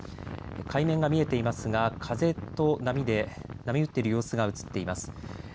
海面が見えていますが風と波で波打っている様子が映っています。